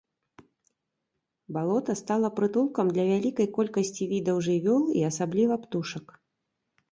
Балота стала прытулкам для вялікай колькасці відаў жывёл і асабліва птушак.